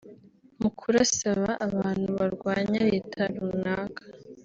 mu kurasaba abantu barwanya Leta runaka